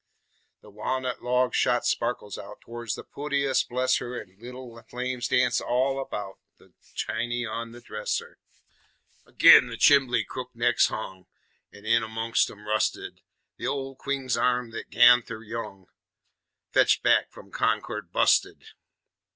The wa'nut logs shot sparkles out Towards the pootiest, bless her, An' leetle flames danced all about The chiny on the dresser. Agin the chimbley crook necks hung, An' in amongst 'em rusted The old queen's arm that Gran'ther Young Fetched back f'om Concord busted.